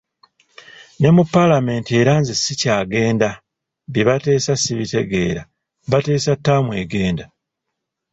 Ne mu paalamenti era nze sikyagenda, bye bateesa sibitegeera, bateesa ttaamu egenda.